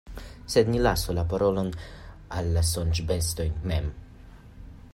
Sed ni lasu la parolon al la Sonĝbestoj mem.